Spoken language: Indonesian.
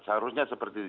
seharusnya seperti itu